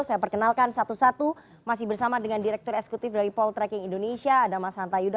saya perkenalkan satu satu masih bersama dengan direktur eksekutif dari poltreking indonesia ada mas hanta yuda